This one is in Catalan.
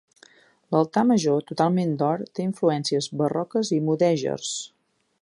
L'altar major, totalment d'or, té influències barroques i mudèjars.